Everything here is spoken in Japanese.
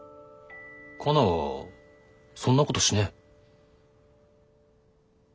カナはそんなことしねえ。